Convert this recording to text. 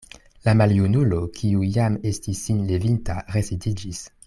La maljunulo, kiu jam estis sin levinta, residiĝis.